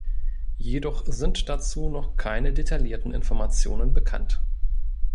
Jedoch sind dazu noch keine detaillierten Informationen bekannt.